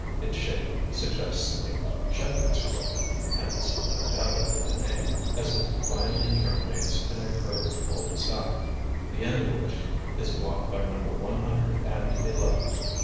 Its shape suggests a shepherd's crook, hence undoubtedly the name as it finally terminates in a curved cul de sac, the end of which is blocked by Number One hundred and eleven.